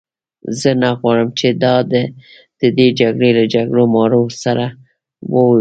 زه نه غواړم چې دا د دې جګړې له جګړه مارو سره وه اوسي.